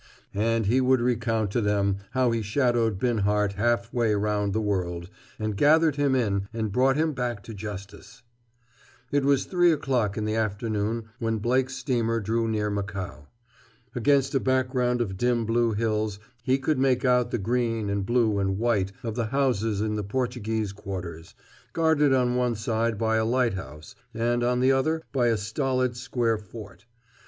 And he would recount to them how he shadowed Binhart half way round the world, and gathered him in, and brought him back to Justice. It was three o'clock in the afternoon when Blake's steamer drew near Macao. Against a background of dim blue hills he could make out the green and blue and white of the houses in the Portuguese quarters, guarded on one side by a lighthouse and on the other by a stolid square fort.